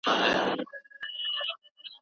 هیڅکله د شاګرد د خپلواکۍ مخه مه نیسه.